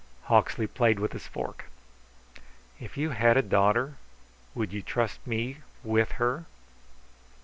Hawksley played with his fork. "If you had a daughter would you trust me with her?"